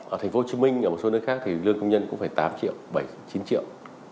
ở tp hcm ở một số nơi khác thì lương công nhân cũng phải tám triệu bảy chín triệu